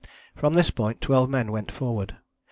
From this point twelve men went forward.